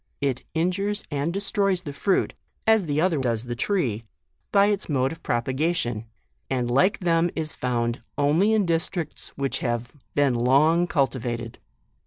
It injures and destroys the fruit, as the other does the tree, by its mode of propagation ; and like them is found only in districts which have been long cultivated.